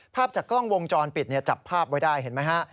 ภาพจากกล้องวงจรปิดจับภาพไว้ได้เห็นไหมฮะ